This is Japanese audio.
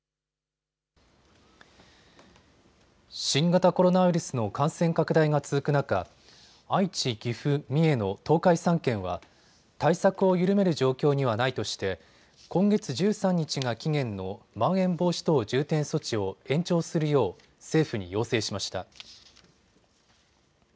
新型コロナウイルスの感染拡大が続く中、愛知、岐阜、三重の東海３県は対策を緩める状況にはないとして今月１３日が期限のまん延防止等重点措置を延長するよう政府に要請しました。